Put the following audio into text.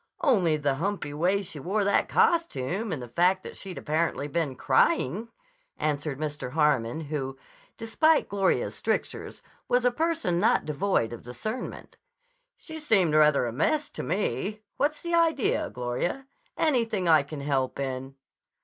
"Only the humpy way she wore that costume and the fact that she'd apparently been crying," answered Mr. Harmon, who, despite Gloria's strictures, was a person not devoid of discernment. "She seemed rather a mess to me. What's the idea, Gloria? Anything I can help in?"